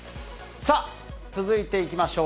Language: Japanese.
さあ、続いていきましょう。